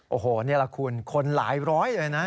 โอ้โหนี่แหละคุณคนหลายร้อยเลยนะ